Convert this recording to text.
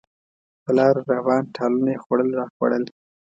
په لاره روان، ټالونه یې خوړل راخوړل.